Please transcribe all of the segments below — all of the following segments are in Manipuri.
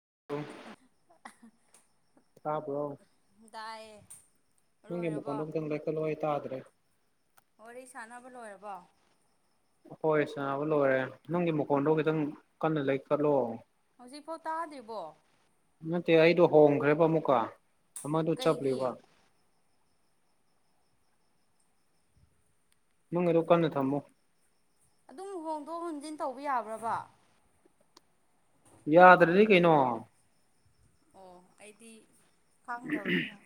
ꯑꯗꯨꯣ ꯑ ꯇꯥꯕ꯭ꯔꯣ ꯅꯪꯦ ꯂꯣꯏꯔꯕꯣ ꯃꯀ ꯀꯂꯣꯋꯥ ꯠꯇ꯭ꯔꯦ ꯋꯥꯔꯤ ꯁꯥꯟꯅꯕ ꯂꯣꯏꯔꯕꯣ ꯍꯣꯏ ꯆꯥꯕ ꯂꯣꯏꯔꯦ ꯅꯪꯒꯤ ꯃꯈꯣꯟꯗꯣ ꯈꯤꯇꯪ ꯀꯟꯅ ꯂꯩ ꯀꯠꯂꯣ ꯍꯧꯖꯤꯛꯐꯥꯎ ꯇꯥꯗꯦꯕꯣ ꯅꯠꯇꯦ ꯑꯩꯗꯣ ꯍꯣꯡꯈ꯭ꯔꯦꯕ ꯑꯃꯨꯛꯀ ꯑꯃꯗꯨ ꯆꯠꯂꯤꯕ ꯀꯩꯒꯤ ꯅꯪꯗꯣꯀꯥꯟꯗ ꯊꯝꯃꯣ ꯑꯗꯨꯝ ꯍꯣꯡꯗꯣꯛ ꯍꯣꯟꯖꯤꯟ ꯇꯧꯕ ꯌꯥꯕ꯭ꯔꯕ ꯌꯥꯗ꯭ꯔꯅꯤ ꯀꯩꯅꯣ ꯑꯣ ꯑꯩꯗꯤ ꯈꯪꯗꯧꯔꯤꯅ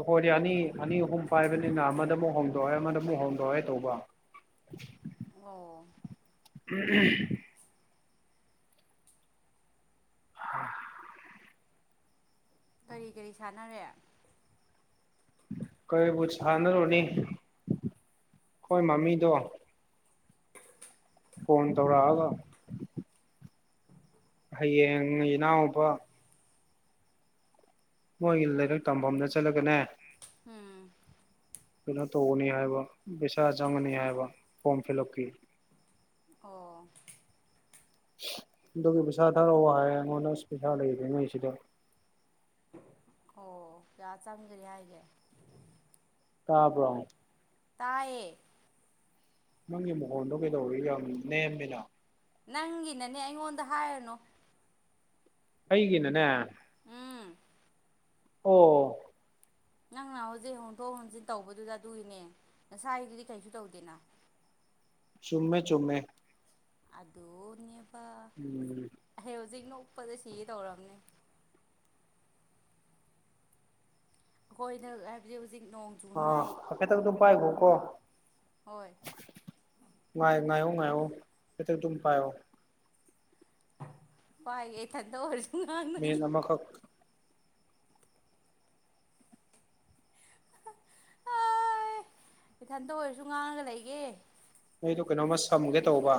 ꯎꯈꯣꯏꯗꯤ ꯑꯅꯤ ꯑꯅꯤ ꯑꯍꯨꯝ ꯄꯥꯏꯕꯅꯤꯅ ꯑꯃꯗ ꯑꯃꯨꯛ ꯍꯣꯡꯗꯣꯛꯑꯣꯦ ꯑꯃꯗꯃꯨꯛ ꯍꯣꯡꯗꯣꯛꯑꯣꯦ ꯇꯧꯕ [unintelligible] ꯑꯣ ꯎꯝ ꯑ ꯀꯔꯤ ꯀꯔꯤ ꯁꯥꯟꯅꯔꯦ ꯀꯩꯕꯨ ꯁꯥꯟꯅꯔꯨꯅꯤ ꯍꯣꯏ ꯃꯃꯤꯗꯣ [inaudible] ꯐꯣꯟ ꯇꯧꯔꯥ ꯍꯥꯏꯒ ꯅꯥꯎꯄꯥ ꯃꯣꯏꯒꯤ ꯂꯥꯏꯔꯤꯛ ꯇꯝꯐꯝꯅ ꯆꯠꯂꯒꯅꯦ ꯎꯝ ꯀꯩꯅꯣ ꯇꯧꯒꯅꯤ ꯍꯥꯏꯕ ꯄꯩꯁꯥ ꯆꯪꯉꯅꯤ ꯍꯥꯏꯕ ꯐꯣꯔꯝ ꯐꯤꯜ ꯑꯞꯀꯤ ꯑꯣ ꯑꯗꯨꯒꯤ ꯄꯩꯁꯥ ꯊꯥꯔꯛꯑꯣ ꯍꯥꯏ ꯑꯩꯉꯣꯟꯗ ꯑꯁ ꯄꯩꯁꯥ ꯂꯩꯗꯦꯉꯣꯏꯁꯤꯗ ꯑꯣ ꯌꯥ ꯆꯥꯡꯒꯔꯤ ꯍꯥꯏꯒꯦ ꯀꯄ꯭ꯔ ꯇꯌꯦꯦ ꯅꯪꯒꯤ ꯃꯈꯣꯟꯗꯣ ꯀꯩꯗꯧꯔꯤ ꯌꯥꯝ ꯅꯦꯝꯃꯤꯅ ꯅꯪꯒꯤꯅꯅꯦ ꯑꯩꯉꯣꯟꯗ ꯍꯥꯏꯔꯅꯨ ꯑꯩꯩꯒꯤ ꯅꯅꯦ ꯎꯝ ꯑꯣ ꯅꯪꯅ ꯍꯧꯖꯤꯛ ꯍꯣꯟꯗꯣꯛ ꯍꯣꯟꯖꯤꯟ ꯇꯧꯕꯗꯨꯗ ꯑꯗꯨꯒꯤꯅꯦ ꯉꯁꯥꯏꯗꯨꯗꯤ ꯀꯩꯁꯨ ꯇꯧꯗꯦꯅ ꯆꯨꯝꯃꯦ ꯆꯨꯝꯃꯦ ꯑꯗꯣ ꯏ ꯎꯝ ꯍꯧꯖꯤꯛꯅ ꯎꯞꯄꯗ ꯁꯤ ꯇꯧꯔꯝꯅꯦ ꯍꯣꯏꯅꯦ ꯑ ꯑꯈꯦ ꯇꯒꯗ ꯄꯥꯏ ꯀꯣ ꯀꯣ ꯍꯣꯏ ꯉꯥꯏ ꯉꯣ ꯉꯣ ꯏꯇ ꯇꯝ ꯄꯥꯏꯣ ꯏ ꯏ ꯊꯗꯣ ꯃꯤ ꯅꯃ ꯀ ꯍ ꯏꯊꯟꯇ ꯑꯣꯏꯔꯁꯨ ꯉꯥꯡꯉꯒ ꯂꯩꯒꯦ ꯅꯣꯏꯗ ꯀꯩꯅꯣꯝꯃ ꯁꯝꯒꯦ ꯇꯧꯕ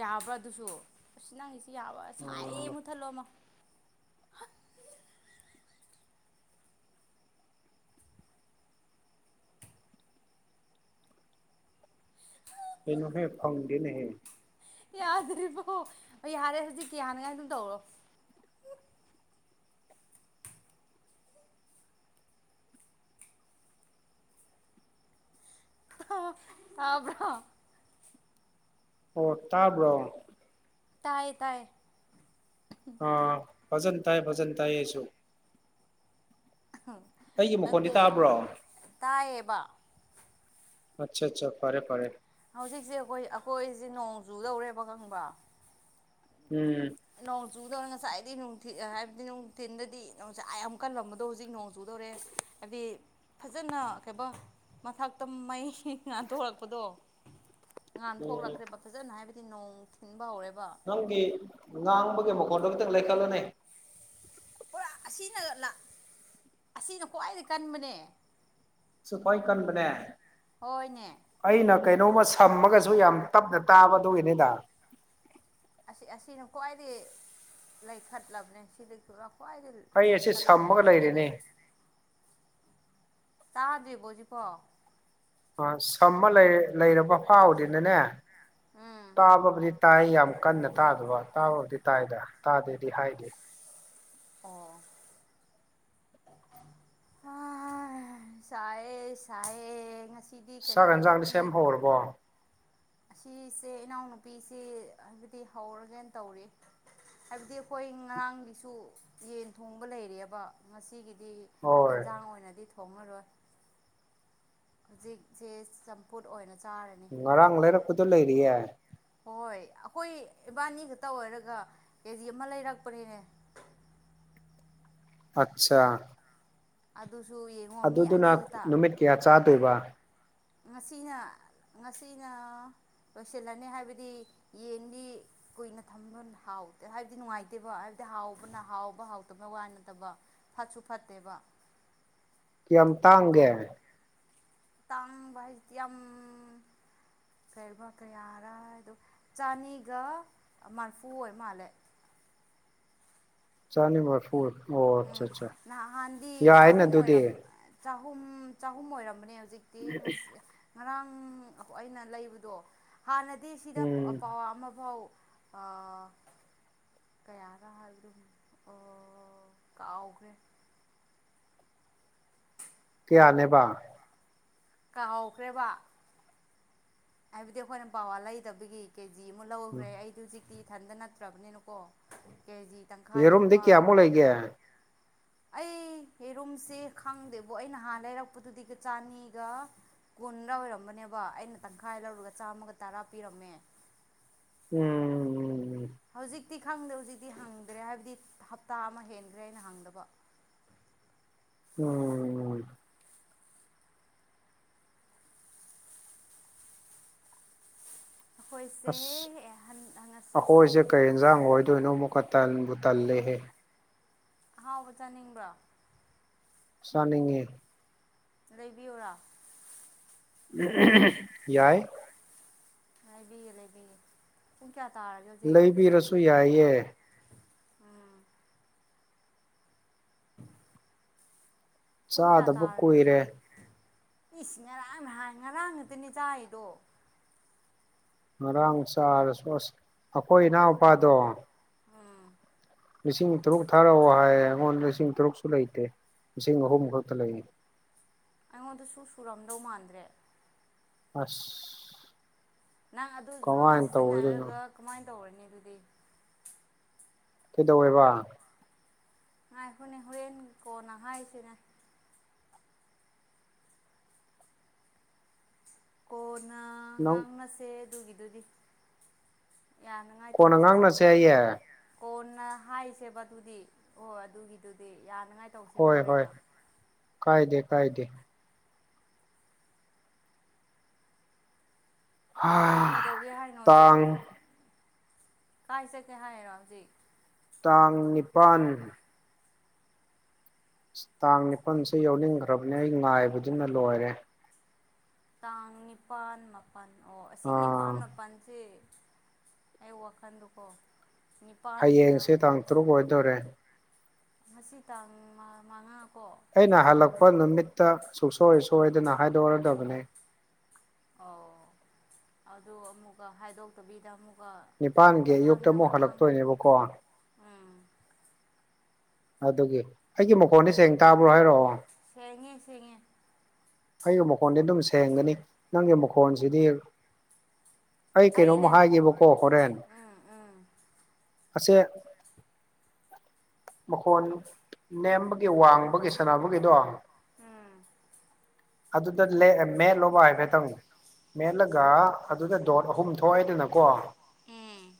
ꯌꯥꯕ꯭ꯔꯥ ꯑꯗꯨꯁꯨ ꯑꯁꯤ ꯅꯪꯒꯤꯁꯤ ꯌꯥꯕ꯭ꯔꯥ ꯁꯥꯏ ꯑꯥ ꯃꯨꯠꯊꯠꯂꯣꯃ ꯑ ꯇꯅꯨ ꯍꯦ ꯐꯥꯎꯗꯅꯦ ꯌꯥꯗ꯭ꯔꯤꯕꯔꯤꯕꯣ ꯑꯩ ꯌꯥꯔꯦ ꯍꯧꯖꯤꯛꯀꯤ ꯍꯅꯒꯥꯏ ꯑꯗꯨꯝ ꯇꯧꯔꯣ ꯑꯕ꯭ꯔꯣ ꯑꯣ ꯇꯥꯕ꯭ꯔꯣ ꯇꯥꯏ ꯇꯥꯏ ꯑꯥ ꯐꯖꯟ ꯇꯥꯏ ꯐꯖꯟ ꯇꯥꯏꯌꯦꯁꯨ ꯑꯩꯒꯤ ꯃꯈꯣꯟꯗꯤ ꯅꯠꯇꯦ ꯇꯥꯕ꯭ꯔꯣ ꯇꯥꯏꯌꯦꯕ ꯑꯆꯥ ꯑꯠꯆꯥ ꯐꯔꯦ ꯐꯔꯦ ꯍꯧꯖꯤꯛꯁꯦ ꯑꯩꯈꯣꯏ ꯑꯩꯈꯣꯏꯁꯦ ꯅꯣꯡ ꯆꯨꯗꯧꯔꯦꯕ ꯈꯪꯕ꯭ꯔ ꯎꯝ ꯆꯨꯗꯧꯔꯦ ꯉꯁꯥꯏꯗꯤ ꯅꯨꯡꯊꯤ ꯍꯥꯏꯕꯗꯤ ꯅꯨꯡꯊꯤꯟꯗꯗꯤ ꯅꯅꯨꯡꯁꯥꯏ ꯌꯥꯝ ꯀꯜꯂꯝꯕꯗꯣ ꯍꯧꯖꯤꯛ ꯅꯣꯡ ꯆꯨꯗꯧꯔꯦ ꯍꯥꯏꯗꯤ ꯐꯖꯅ ꯀꯩꯕ ꯃꯊꯛꯇ ꯃꯩ ꯉꯥꯟꯊꯣꯛꯣꯔꯛꯄꯗꯣ ꯎ ꯉꯥꯟꯟ ꯊꯣꯛꯂꯛꯈ꯭ꯔꯦꯕ ꯐꯖꯅ ꯍꯥꯏꯕꯗꯤ ꯅꯣꯡ ꯊꯤꯟꯕ ꯍꯧꯔꯦꯕ ꯅꯪꯒꯤ ꯉꯥꯡꯕꯒꯤ ꯃꯈꯣꯟꯗꯣ ꯈꯤꯇꯪ ꯂꯩꯈꯠꯂꯅꯤ ꯄꯨꯔꯥ ꯑꯁꯤꯅ ꯑꯁꯤꯅ ꯈ꯭ꯋꯥꯏꯗꯒꯤ ꯀꯟꯕꯅꯦ ꯁꯐꯥꯏ ꯀꯥꯟꯕꯅꯦ ꯍꯣꯏꯅꯦ ꯀꯩꯅꯣꯝꯃ ꯁꯝꯃꯒꯁꯨ ꯌꯥꯝ ꯇꯞꯅ ꯇꯥꯕꯗꯒꯤꯅꯤꯗ ꯑꯁꯤ ꯑꯁꯤꯅ ꯈ꯭ꯋꯥꯏꯗꯒꯤ ꯂꯩꯈꯠꯂꯕꯅꯦ ꯁꯤꯗꯒꯤ ꯈ꯭ꯋꯥꯏꯗꯒꯤ ꯑꯩ ꯑꯁꯤ ꯂꯩꯈꯠꯂꯕꯅꯦ ꯁꯝꯃꯒ ꯁꯤꯗꯒꯤ ꯂꯩꯔꯤꯅꯦ ꯇꯥꯗ꯭ꯦꯕꯣꯖꯤ ꯄꯣ ꯑ ꯁꯝꯃ ꯂꯩꯔꯕ ꯐꯥꯎꯕꯗꯅꯅꯦ ꯎꯝ ꯇꯥꯕꯕꯨꯗꯤ ꯇꯥꯏ ꯌꯥꯝ ꯀꯟꯅ ꯇꯥꯗꯕ ꯇꯥꯕꯕꯨꯗꯤ ꯇꯥꯏꯗ ꯇꯥꯗꯦꯗꯤ ꯍꯥꯏꯗꯦ ꯑꯣ ꯆꯥꯏ ꯆꯥꯏ ꯉꯁꯤ ꯆꯒ ꯌꯦꯟꯖꯥꯡꯗꯤ ꯁꯦꯝ ꯍꯧꯔꯕꯣ ꯑꯁꯤꯁꯦ ꯏꯅꯥꯎꯅꯨꯄꯤꯁꯦ ꯍꯥꯏꯕꯗꯤ ꯍꯧꯔꯒꯦꯅ ꯇꯧꯔꯤ ꯍꯥꯏꯕꯗꯤ ꯑꯩꯈꯣꯏ ꯉꯔꯥꯡꯒꯤꯁꯨ ꯌꯦꯟ ꯊꯣꯡꯕ ꯂꯩꯔꯑꯕ ꯉꯁꯤꯒꯤ ꯗꯤ ꯍꯣꯏ ꯑꯦꯟꯖꯥꯡ ꯑꯣꯏꯅꯗꯤ ꯊꯣꯡꯉꯔꯣꯏ ꯍꯧꯖꯤꯛꯁꯦ ꯆꯝꯄꯨꯠ ꯑꯣꯏꯅ ꯆꯥꯔꯅꯤ ꯎ ꯉꯔꯥꯡꯥꯡꯔ ꯈꯨꯗꯣ ꯂꯩꯔꯤꯌꯦꯦ ꯍꯣꯏ ꯑꯩꯈꯣꯏ ꯏꯕꯥꯅꯤ ꯈꯛꯇ ꯑꯣꯏꯔꯒ ꯀꯦꯖꯤ ꯑꯃ ꯂꯩꯔꯛꯄꯅꯤꯅꯦ ꯑꯆꯥ ꯑꯗꯨꯁꯨ ꯌꯦꯡꯉꯣ ꯃꯤ ꯑꯗꯨꯗꯨꯅ ꯑꯅꯤ ꯈꯛꯇ ꯅꯨꯃꯤꯠ ꯀꯌꯥ ꯆꯥꯗꯣꯏꯕ ꯉꯁꯤꯅ ꯉꯁꯤꯅ ꯂꯣꯏꯁꯤꯜꯂꯅꯤ ꯍꯥꯏꯕꯗꯤ ꯌꯦꯟꯗꯤ ꯀꯨꯏꯅ ꯊꯝꯕ ꯍꯥꯎꯇꯦ ꯍꯥꯏꯕꯗꯤ ꯅꯨꯡꯉꯥꯏꯇꯦꯕ ꯍꯥꯏꯕ ꯍꯥꯎꯕꯅ ꯍꯥꯎꯕ ꯍꯥꯎꯇꯕ ꯋꯥꯏ ꯅꯠꯇꯕ ꯐꯠꯁꯨ ꯐꯠꯇꯦꯕ ꯀꯌꯥꯝ ꯇꯥꯡꯒꯦ ꯇꯥꯡ ꯍꯥꯏꯗꯤ ꯌꯥꯝ ꯀꯔꯤꯕ ꯀꯌꯥꯔꯗ ꯆꯅꯤꯒ ꯃꯔꯐꯨ ꯑꯣꯏ ꯃꯥꯜꯂꯦ [unintelligible] [inaudible] ꯆꯥꯅꯤꯕꯔ ꯐꯨꯔ ꯎꯝ ꯅꯍꯥꯟꯗꯤ ꯆꯍꯨꯝ ꯑꯣꯏꯔ ꯑꯗꯨꯗꯤ ꯆꯍꯨꯝ ꯆꯍꯨꯝ ꯑꯣꯏꯔꯝꯕꯅꯤ ꯍꯧꯖꯤꯛꯇꯤ ꯉꯔꯥꯡ ꯑꯩꯅ ꯂꯩꯕꯗꯣ ꯍꯥꯟꯅꯗꯤ ꯁꯤꯗ ꯎꯝ ꯄꯋꯥ ꯑꯃꯐꯥꯎ ꯑ ꯀꯌꯥꯒ ꯍꯥꯏꯕ ꯑꯗꯨ ꯑꯣ ꯀꯥ ꯎꯈ꯭ꯔꯦ ꯀꯌꯥꯅꯦꯕ ꯀꯍꯥꯎꯈ꯭ꯔꯦꯕ ꯍꯥꯏꯕꯗꯤ ꯑꯩꯈꯣꯏꯅ ꯄꯋꯥ ꯂꯩꯗꯕꯒꯤ ꯀꯦꯖꯤ ꯑꯃ ꯎꯝ ꯂꯧꯈ꯭ꯔꯦ ꯑꯩꯗꯤ ꯍꯧꯖꯤꯛꯇꯤ ꯏꯊꯟꯇ ꯅꯠꯇ꯭ꯔꯕꯅꯤꯅꯀꯣ ꯀꯦꯖꯤ ꯌꯦꯔꯨꯝꯝꯗꯤ ꯇꯪꯈꯥꯏꯒꯨꯝꯕ ꯀꯌꯥꯃꯨꯛ ꯂꯩꯒꯦ ꯑꯩ ꯌꯦꯔꯨꯝꯁꯦ ꯈꯪꯗꯦꯕ ꯑꯩ ꯅꯍꯥꯟ ꯂꯩꯔꯛꯄꯗꯨꯗꯤ ꯆꯅꯤꯒ ꯀꯨꯟꯗ ꯑꯣꯏꯔꯝꯕꯅꯦꯕ ꯑꯩꯅ ꯇꯪꯈꯥꯏ ꯂꯧꯔꯒ ꯆꯥꯝꯃꯒ ꯇꯔꯥ ꯄꯤꯔꯝꯃꯦ ꯎꯝꯝ ꯎꯝ ꯍꯧꯖꯤꯛ ꯍꯧꯛꯇꯤ ꯈꯪꯗꯦ ꯍꯧꯖꯤꯛꯇꯤ ꯍꯪꯗ꯭ꯔꯦ ꯍꯥꯏꯕꯗꯤ ꯍꯞꯇꯥ ꯑꯃ ꯍꯦꯟꯈ꯭ꯔꯦ ꯍꯥꯏꯅ ꯍꯪꯗꯕ ꯎꯝ ꯑꯩꯈꯣꯏꯁꯦ ꯑꯁ ꯉꯁꯤꯁꯦ ꯑꯩꯈꯣꯏꯁꯦ ꯀꯩ ꯌꯦꯟꯁꯥꯡ ꯑꯣꯏꯗꯣꯏꯅꯣ ꯑꯃꯨꯛꯀ ꯇꯟꯕꯨ ꯊꯂꯦꯍꯦ ꯑꯍꯥꯎꯕ ꯆꯥꯅꯤꯡꯕ꯭ꯔꯣ ꯆꯅꯤꯡꯉꯦ ꯂꯩꯕꯤꯌꯔꯥ ꯌꯥꯏ ꯂꯩꯕꯤꯌꯦꯦ ꯂꯩꯕꯤꯌꯦ ꯂꯩꯕꯤꯔꯁꯨ ꯌꯥꯏꯌꯦꯦ ꯎꯝ ꯄꯨꯡ ꯀꯌꯥ ꯆꯥꯗꯕ ꯇꯥꯔꯒꯦ ꯀꯨꯏꯔꯦ ꯍꯧꯖꯤꯛ ꯏꯁꯤ ꯉꯔꯥꯡ ꯍꯥꯏꯥꯟ ꯉꯔꯥꯡ ꯑꯗꯨꯗꯅꯦ ꯥꯏꯗꯣ ꯉꯔꯥꯡ ꯆꯥꯔꯁꯨ ꯑꯁ ꯑꯩꯈꯣꯏ ꯏꯅꯥꯎꯄꯥꯗꯣ ꯎꯝ ꯂꯤꯁꯤꯡ ꯇꯔꯨꯛ ꯊꯥꯔꯛꯑꯣ ꯍꯥꯏꯌꯦ ꯑꯩꯉꯣꯟꯗ ꯂꯤꯁꯤꯡ ꯇꯔꯨꯛꯁꯨ ꯂꯩꯇꯦ ꯂꯤꯁꯤꯡ ꯑꯍꯨꯝ ꯈꯛꯇ ꯂꯩ ꯑꯩꯉꯣꯟꯗꯁꯨ ꯁꯨꯔꯝꯗꯧ ꯃꯥꯟꯗ꯭ꯔꯦ ꯑꯁ ꯅꯪ ꯑꯗꯨ ꯂꯣꯏ ꯀꯃꯥꯏꯅ ꯇꯧꯔꯣꯏꯗꯣꯏꯅꯣ ꯁꯤꯖꯤꯟꯅꯔꯒ ꯀꯃꯥꯏꯅ ꯇꯧꯔꯅꯤ ꯑꯗꯨꯗꯤ ꯀꯩꯗꯧꯋꯦꯕ ꯉꯥꯏ ꯍꯣꯏꯅꯦ ꯍꯣꯔꯦꯟ ꯀꯣꯅ ꯍꯥꯏꯁꯤꯅꯦ ꯀꯣꯟꯅ ꯅꯪ ꯉꯥꯡꯅꯁꯦ ꯑꯗꯨꯒꯤꯗꯨꯗꯤ ꯌꯥꯅꯉꯥꯏ ꯀꯣꯟꯅ ꯇꯧꯁꯤꯁꯦ ꯉꯥꯡꯅꯁꯦ ꯑꯩꯌꯦ ꯀꯣꯟꯅ ꯍꯥꯏꯁꯦꯕ ꯑꯗꯨꯗꯤ ꯍꯣꯏ ꯑꯗꯨꯒꯤꯗꯨꯗꯤ ꯌꯥꯅꯤ ꯍꯣꯏ ꯍꯣꯏ ꯀꯥꯏꯗꯦ ꯀꯥꯏꯗꯦ ꯀꯩꯗꯧꯒꯦ ꯍꯥꯏꯔꯤꯅꯣ ꯍꯧꯖꯤꯛ ꯇꯥꯡ ꯀꯥꯏ ꯆꯠꯀꯦ ꯍꯥꯏꯅꯣ ꯍꯧꯖꯤꯛ ꯇꯥꯡ ꯅꯤꯄꯜ ꯑꯁ ꯇꯥꯡ ꯅꯤꯄꯜꯁꯦ ꯌꯥꯎꯅꯤꯡꯈ꯭ꯔꯕꯅꯦ ꯑꯩ ꯉꯥꯏꯕꯗꯨꯅ ꯂꯣꯏꯔꯦ ꯇꯥꯡ ꯅꯤꯄꯥꯜ ꯃꯥꯄꯜ ꯑꯣ ꯑꯁꯤ ꯅꯤꯄꯥꯜ ꯑꯥ ꯃꯥꯄꯜꯁꯦ ꯑꯨꯀꯥꯟꯗꯀꯣ ꯍꯌꯦꯡꯁꯦ ꯇꯥꯡ ꯇꯔꯨꯛ ꯑꯣꯏꯗꯣꯔꯦ ꯉꯁꯤ ꯇꯥꯡ ꯃꯉꯥ ꯀꯣ ꯑꯩꯅ ꯍꯜꯂꯛꯄ ꯇꯔꯨꯛ ꯅꯨꯃꯤꯠꯇ ꯁꯨꯡꯁꯣꯏ ꯁꯣꯏꯗꯅ ꯍꯥꯏꯗꯣꯛꯔꯗꯕꯅꯤ ꯑꯣ ꯑꯗꯨ ꯑꯃꯨꯛꯀ ꯍꯥꯏꯗꯣꯛꯇꯕꯤꯗ ꯑꯃꯨꯛ ꯅꯤꯄꯥꯥꯟꯒꯤ ꯑꯌꯨꯛꯇ ꯑꯃꯨꯛ ꯍꯜꯂꯛꯇꯣꯏꯅꯦꯕꯀꯣ ꯎꯝ ꯑꯗꯨꯒꯤ ꯑꯩꯒꯤ ꯃꯈꯣꯟꯁ ꯁꯦꯡ ꯇꯥꯕ꯭ꯔꯣ ꯍꯥꯏꯔꯛꯑꯣ ꯁꯤꯉ ꯁꯤꯉ ꯑꯩꯒꯤ ꯃꯈꯣꯟꯗꯤ ꯑꯗꯨꯝ ꯁꯦꯡꯒꯅꯤ ꯅꯪꯒꯤ ꯃꯈꯣꯟꯁꯤꯗꯤ ꯑꯩ ꯀꯩꯅꯣꯝꯃ ꯑꯩꯅ ꯍꯥꯏꯕꯀꯣ ꯍꯣꯔꯦꯟ ꯎꯝ ꯎꯝ ꯑꯁꯦ ꯃꯈꯣꯟ ꯅꯦꯝꯕꯒꯤ ꯋꯥꯡꯕꯒꯤ ꯁꯥꯟꯅꯕꯒꯤꯗꯣ ꯎꯝ ꯑꯗꯨꯗ ꯃꯦꯟꯂꯣꯕ ꯍꯥꯏꯐꯦꯠꯇꯪꯅꯣ ꯃꯦꯠꯂꯒ ꯑꯗꯨꯗ ꯗꯣꯠ ꯑꯍꯨꯝ ꯊꯣꯛꯑꯏꯗꯅꯀꯣ ꯎꯝ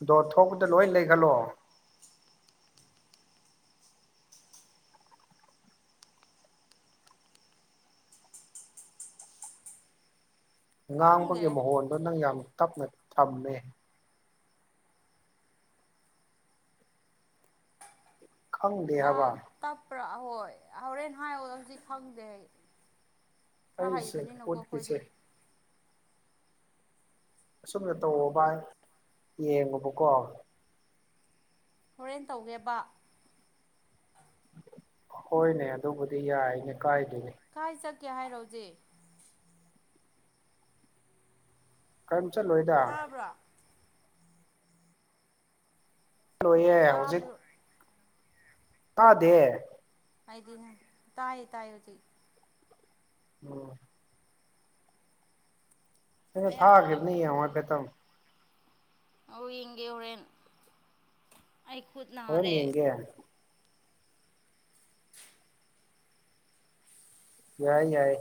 ꯑꯗꯣ ꯊꯣꯛꯄꯗ ꯂꯣꯏ ꯂꯩ ꯈꯜꯂꯣ ꯉꯥꯡꯕꯒꯤ ꯈꯪꯗ꯭ꯔꯦ ꯃꯍꯣꯟꯗꯨꯣ ꯅꯪ ꯌꯥꯝ ꯇꯞꯅ ꯊꯝꯃꯦ ꯈꯪꯗꯦ ꯍꯥꯕ ꯭ꯔꯥ ꯑꯍꯣꯏ ꯍꯣꯔꯦꯟ ꯍꯥꯏꯌꯣ ꯍꯧꯖꯤꯛ ꯈꯪꯗꯦ ꯈ ꯑꯩꯁꯦ ꯍꯩꯕꯅꯤꯅꯨꯀꯣ ꯑꯩꯈꯣꯏꯗꯤ ꯎꯠꯀꯤꯁꯦ ꯑꯁꯨꯝꯅ ꯇꯧꯣ ꯚꯏ ꯌꯦꯡꯉꯨꯕꯀꯣ ꯍꯣꯔꯦꯟ ꯇꯧꯒꯦꯕ ꯍꯣꯏꯅꯦ ꯑꯗꯨꯕꯨꯗꯤ ꯌꯥꯏꯅꯦ ꯀꯥꯏ ꯀꯥꯏ ꯆꯠꯀꯦ ꯍꯥꯏꯔꯣꯖꯤꯦ ꯀꯔꯝ ꯆꯠꯂꯣꯏꯗ ꯇꯥꯕ꯭ꯔꯣ ꯂꯣꯏꯌꯦꯦ ꯍꯧꯖꯤꯛ ꯇꯥꯕ꯭ꯔꯣ ꯑꯥꯗꯦ ꯗꯤꯟ ꯇꯥꯏꯦ ꯇꯥꯏꯖꯤ ꯎꯝ ꯀꯩꯅꯣ ꯑꯌꯥ ꯊꯥꯈꯤꯕꯅꯤ ꯍꯥꯏꯐꯦꯠꯇꯪ ꯑꯣ ꯏꯒꯦ ꯑꯣꯏꯔꯦꯟ ꯍꯣꯏꯅꯤ ꯌꯦꯡꯒꯦ ꯌꯥꯏ ꯌꯥꯏ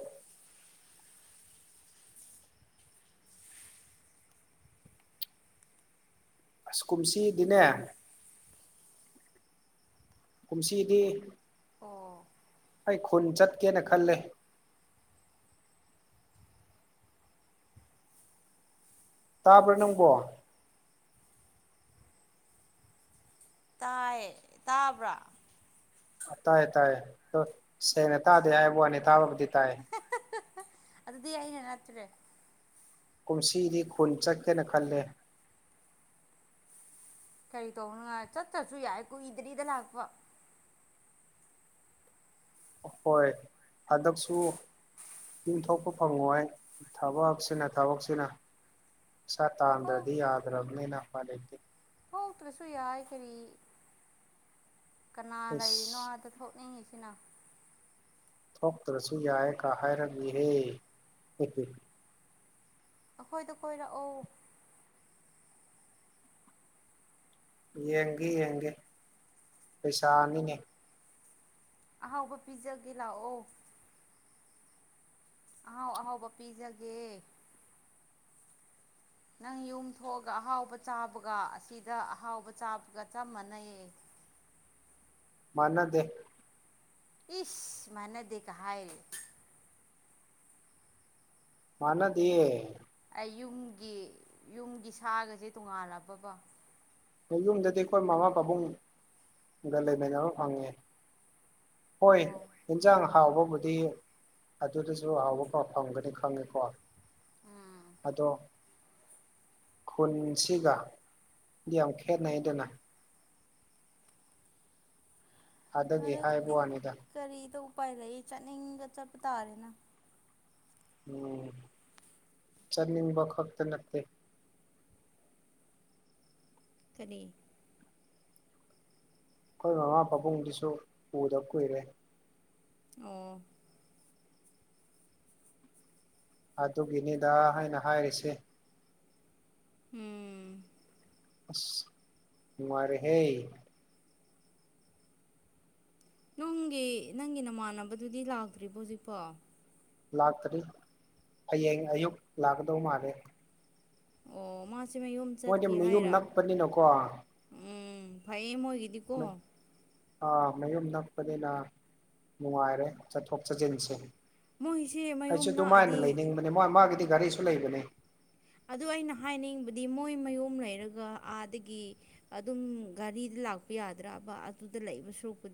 ꯑ ꯀꯨꯝꯁꯤꯗꯤꯅꯦ ꯀꯟꯁꯤꯗꯤ ꯑꯣ ꯑꯩ ꯈꯨꯟ ꯆꯠꯀꯦꯅ ꯈꯜꯂꯦ ꯇꯥꯕꯔꯅꯀꯣ ꯇꯥꯏ ꯇꯥꯕ꯭ꯔꯥ ꯇꯥꯏꯌꯦ ꯇꯥꯏꯌꯦ ꯁꯦꯡꯅ ꯇꯥꯗꯦ ꯍꯥꯏꯕ ꯋꯥꯅꯤ ꯇꯥꯕꯕꯨꯗꯤ ꯇꯥꯏ ꯑꯗꯤ ꯌꯥꯏꯅꯅꯇꯔꯦ ꯀꯨꯝꯁꯤꯗꯤ ꯈꯨꯟ ꯆꯠꯀꯦꯅ ꯈꯜꯂꯦ ꯀꯔꯤ ꯇꯧꯅꯉꯥꯏ ꯆꯠꯇ꯭ꯔꯁꯨ ꯌꯥꯏ ꯀꯨꯏꯗꯔꯤꯗ ꯂꯥꯛꯄ ꯍꯣꯏ ꯍꯟꯗꯛꯁꯨ ꯌꯨꯝꯊꯣꯛꯄ ꯐꯪꯉꯣ ꯍꯥꯏ ꯊꯕꯛꯁꯤꯅ ꯊꯕꯛꯁꯤꯅ ꯁꯥ ꯊꯣꯛ ꯇꯥꯟꯗ꯭ꯔꯗꯤ ꯌꯥꯗ꯭ꯔꯕꯅꯤꯅ ꯂꯩꯇꯦ ꯊꯣꯛꯇ꯭ꯔꯁꯨ ꯌꯥꯏ ꯀꯔꯤ ꯀꯅꯥ ꯏꯁ ꯂꯩꯔꯤꯅꯣ ꯑꯗ ꯊꯣꯛꯅꯤꯡꯉꯁꯤ ꯏ ꯏꯅꯥ ꯊꯣꯛꯇ꯭ꯔꯁꯨ ꯌꯥꯏ ꯀ ꯍꯥꯏꯔꯝꯃꯤꯍꯦ ꯑꯩꯈꯣꯏꯗ ꯀꯣꯏꯔꯛꯎ ꯌꯦꯡꯒꯦ ꯌꯦꯡꯒꯦ ꯄꯩꯁꯥ ꯑꯅꯤꯅꯦ ꯑꯍꯥꯎꯕ ꯄꯤꯖꯒꯤ ꯂꯥꯛꯑꯣ ꯑꯥꯎ ꯑꯥꯎꯕ ꯄꯤꯖꯒꯦ ꯅꯪ ꯌꯨꯝ ꯊꯣꯛꯑꯒ ꯑꯍꯥꯎꯕ ꯆꯥꯕꯒ ꯑꯁꯤꯗ ꯑꯍꯥꯎꯕ ꯆꯥꯕꯒ ꯆꯞ ꯃꯥꯟꯅꯩꯌꯦ ꯃꯅꯗꯦ ꯏꯁ ꯃꯅꯦꯗꯤꯀ ꯍꯥꯏꯔꯤ ꯃꯥꯅꯗꯤꯌꯦ ꯑꯩ ꯌꯨꯝꯒꯤ ꯌꯨꯝꯒꯤ ꯁꯥꯒꯁꯦ ꯇꯣꯡꯉꯥꯜꯂꯕꯕ ꯌꯨꯝꯗꯗꯤ ꯑꯩꯈꯣꯏ ꯃꯃꯥ ꯄꯥꯕꯨꯡꯒ ꯂꯩꯃꯤ ꯑꯃ ꯐꯪꯉꯦ ꯍꯣꯏ ꯑꯣ ꯌꯦꯟꯁꯥꯡ ꯍꯥꯎꯕ ꯃꯗꯤ ꯑꯗꯨꯗꯁꯨ ꯑꯍꯥꯎꯕ ꯐꯥꯎ ꯐꯪꯒꯅꯤ ꯈꯪꯉꯤꯀꯣ ꯑꯗꯣ ꯈꯨꯟꯁꯤꯒ ꯏ ꯌꯥꯝ ꯈꯦꯔꯩꯗꯅꯅꯥ ꯑꯗꯒꯤꯦ ꯍꯥꯏꯕ ꯋꯥꯅꯤꯗ ꯄꯥꯏ ꯂꯩ ꯆꯅꯤꯡꯒ ꯆꯄꯇꯥꯥꯔꯦꯅ ꯎꯝ ꯆꯠꯅꯤꯡꯕ ꯈꯛꯇ ꯅꯠꯇꯦ ꯀꯔꯤ ꯑꯩꯈꯣꯏ ꯃꯃꯥ ꯄꯥꯕꯨꯡꯗꯨꯁꯨ ꯎꯗꯕ ꯀꯨꯏꯔꯦ ꯑꯣ ꯑꯗꯨꯒꯤꯅꯤꯗ ꯑꯩꯅ ꯍꯥꯏꯔꯤꯁꯦ ꯎꯝ ꯑꯁ ꯅꯨꯡꯉꯥꯏꯔꯦꯍꯦ ꯅꯪꯒꯤ- ꯅꯪꯒꯤ ꯅꯃꯥꯟꯅꯕꯗꯨꯗꯤ ꯂꯥꯛꯇ꯭ꯔꯤꯕꯣ ꯍꯧꯖꯤꯛꯄꯣ ꯂꯥꯛꯇꯔꯤ ꯍꯌꯦꯡ ꯑꯌꯨꯛ ꯂꯥꯛꯀꯗꯧ ꯃꯥꯜꯂꯦ ꯑꯣ ꯃꯥ ꯃꯣꯏꯗꯤ ꯃꯌꯨꯝ ꯅꯛꯄꯅꯤꯅꯀꯣ ꯎꯝ ꯐꯩꯌꯦ ꯃꯣꯏꯒꯤꯗꯤꯀꯣ ꯑꯥ ꯃꯌꯨꯝ ꯅꯛꯄꯅꯤꯅ ꯅꯨꯡꯉꯥꯏꯔꯦ ꯆꯠꯊꯣꯛ ꯆꯠꯁꯤꯟꯁꯦ ꯃꯣꯏꯁꯦ ꯑꯩꯁꯨ ꯃꯌꯨꯝ ꯑꯗꯨꯃꯥꯏꯅ ꯂꯥꯛꯑꯗꯤ ꯂꯩꯅꯤꯡꯕꯅꯦ ꯃꯥ ꯃꯥꯒꯤꯗꯤ ꯒꯥꯔꯤꯁꯨ ꯂꯩꯕꯅꯦ ꯑꯗꯨ ꯑꯩꯅ ꯍꯥꯏꯅꯤꯡꯕꯗꯤ ꯃꯣꯏ ꯃꯌꯨꯝ ꯂꯩꯔꯒ ꯑꯥꯗꯒꯤ ꯑꯗꯨꯝ ꯒꯥꯔꯤ ꯂꯥꯛꯄ ꯌꯥꯗ꯭ꯔꯕ ꯑꯗꯨꯗ ꯂꯩꯕ ꯁꯔꯨꯛꯄꯨꯗꯤ